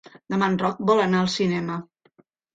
Demà en Roc vol anar al cinema.